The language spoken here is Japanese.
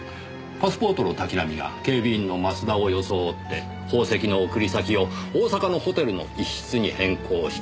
パスポートの滝浪が警備員の増田を装って宝石の送り先を大阪のホテルの一室に変更した。